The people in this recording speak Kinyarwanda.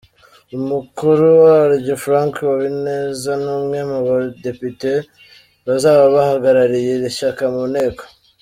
Umukuru waryo Frank Habineza ni umwe mu badepite bazaba bahagarariye iri shyaka mu nteko.